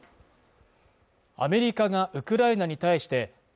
アメリカがウクライナに対して地